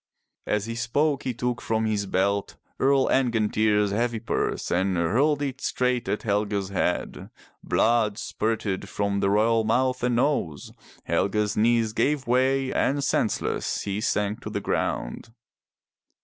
*' As he spoke he took from his belt Earl Angantyr's heavy purse and hurled it straight at Helge's head. Blood spurted from the royal mouth and nose, Helge's knees gave way and senseless he sank to the ground.